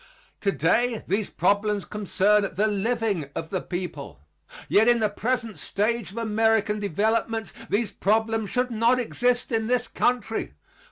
Today these problems concern the living of the people. Yet in the present stage of American development these problems should not exist in this country.